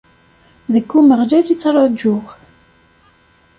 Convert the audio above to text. Deg Umeɣlal i ttraǧuɣ.